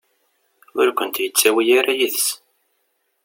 Ur kent-yettawi ara yid-s.